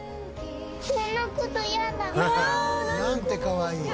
「なんてかわいい」